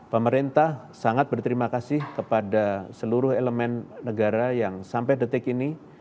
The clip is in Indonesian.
pemerintah sangat berterima kasih kepada seluruh elemen negara yang sampai detik ini